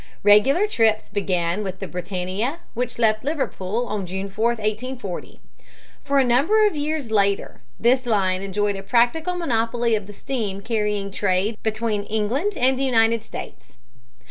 Regular trips began with the Britannia, which left Liverpool on July 4, 1840. For a number of years later this line enjoyed a practical monopoly of the steam carrying trade between England and the United States.